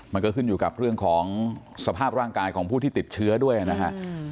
มันก็ขึ้นอยู่กับเรื่องของสภาพร่างกายของผู้ที่ติดเชื้อด้วยนะฮะ